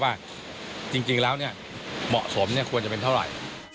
ว่าจริงแล้วเหมาะสมควรจะเป็นเท่าไหร่